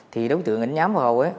thì đối tượng anh nhám vào